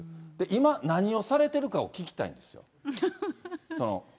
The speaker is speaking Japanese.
今、何をされてるかを聞きたいんですよ。